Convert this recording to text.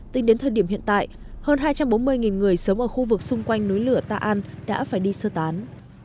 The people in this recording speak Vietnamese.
tính đến thời điểm hiện tại hơn hai trăm bốn mươi người sống ở khu vực xung quanh núi lửa ta an đã phải đi sơ tán